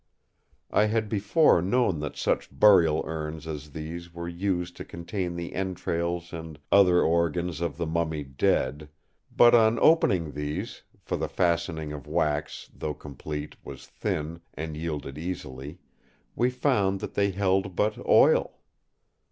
I had before known that such burial urns as these were used to contain the entrails and other organs of the mummied dead; but on opening these, for the fastening of wax, though complete, was thin, and yielded easily, we found that they held but oil.